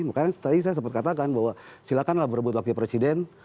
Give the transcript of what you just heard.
makanya tadi saya sempat katakan bahwa silakanlah berebut wakil presiden